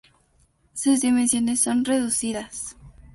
Sus dimensiones son reducidas.